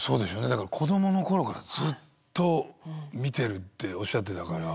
だから子供の頃からずっと見ているっておっしゃってたから。